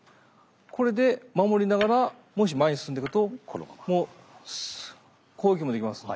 これで守りながらもし前に進んでいくと攻撃もできますね。